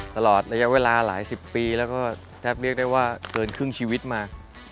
ตลอดระยะเวลาหลายสิบปีแล้วก็แทบเรียกได้ว่าเกินครึ่งชีวิตมา